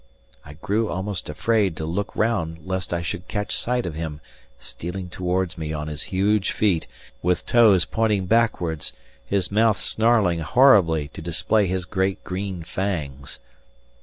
I grew almost afraid to look round lest I should catch sight of him stealing towards me on his huge feet with toes pointing backwards, his mouth snarling horribly to display his great green fangs.